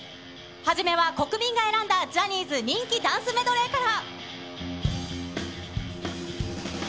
初めは国民が選んだジャニーズ人気ダンスメドレーから。